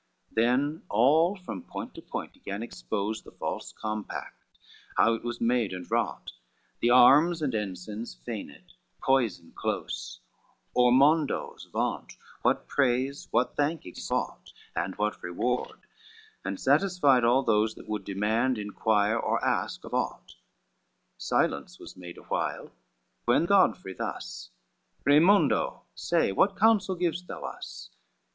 CXXVII Then all from point to point he gan expose The false compact, how it was made and wrought, The arms and ensigns feigned, poison close, Ormondo's vaunt, what praise, what thank he sought, And what reward, and satisfied all those That would demand, inquire, or ask of aught. Silence was made awhile, when Godfrey thus,— "Raymondo, say, what counsel givest thou us?"